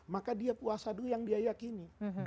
maka dia puasa dulu yang dia yakini